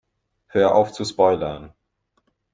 Hör auf zu spoilern!